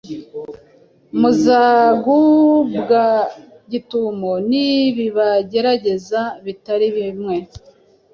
muzagubwa gitumo n’ibibagerageza bitari bimwe.